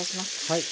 はい。